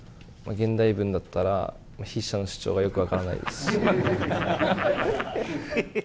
現代文だったら筆者の主張がよく分からないですし。